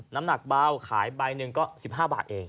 น้ำหนักเบาขายใบหนึ่งก็๑๕บาทเอง